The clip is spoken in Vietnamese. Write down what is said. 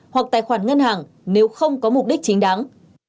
hoặc tài khoản ngân hàng nếu không có mục đích chính đáng